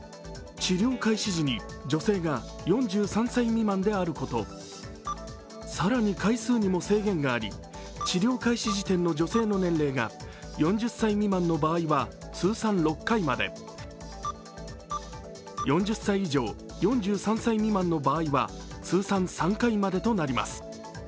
治療開始時に女性が４３歳未満であること、更に、回数にも制限があり治療開始時点の女性の年齢が４０歳未満の場合は通算６回まで４０歳以上４３歳未満の場合は通算３回までとなります。